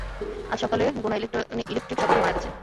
আজ সকালে, গুনা ইলেকট্রিক শক খেয়ে মারা গেছে।